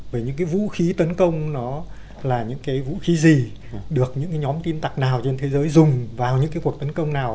về những cái vũ khí tấn công nó là những cái vũ khí gì được những cái nhóm tin tặc nào trên thế giới dùng vào những cái cuộc tấn công nào